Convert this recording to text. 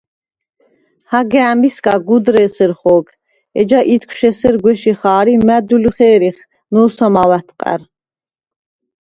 –ჰაგა̄̈მისგა გუდრ’ე̄სერ ხო̄გ, ეჯა ითქშუ̂ ესერ გუ̂ეში ხა̄რ ი მა̈დილუ ხე̄რიხ, ნო̄სამაუ̂ ა̈თყა̈რ!